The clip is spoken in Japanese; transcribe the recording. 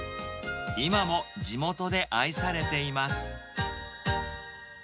今も地元で愛されています。